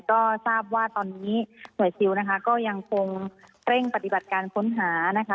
ก็ทราบว่าตอนนี้หน่วยซิลนะคะก็ยังคงเร่งปฏิบัติการค้นหานะคะ